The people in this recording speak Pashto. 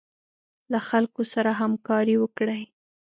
له خلکو سره همکاري وکړئ.